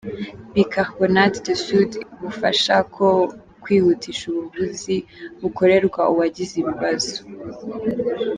bicarbonate de soude, bufasha ku kwihutisha ubuvuzi bukorerwa uwagize ibibazo